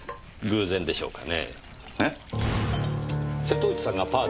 偶然でしょうか。